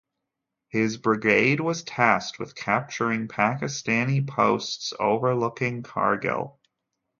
His brigade was tasked with capturing Pakistani posts overlooking Kargil.